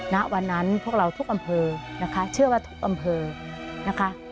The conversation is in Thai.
ณวันนั้นพวกเราทุกอำเภอนะคะเชื่อว่าทุกอำเภอนะคะ